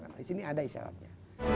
di sini ada isyaratnya